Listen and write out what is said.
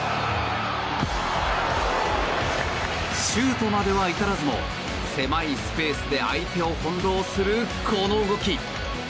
シュートまでは至らずも狭いスペースで相手を翻ろうするこの動き。